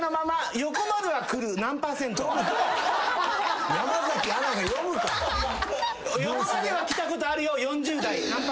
横まではきたことあるよ４０代何％。